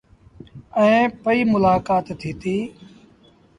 ائيٚݩ رو پئيٚ ملآڪآت ٿيٚتيٚ۔